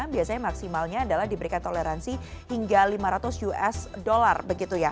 biasanya maksimalnya adalah diberikan toleransi hingga rp lima ratus